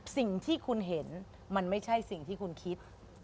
สิ่งที่คุณเห็นมันไม่ใช่สิ่งที่คุณคิด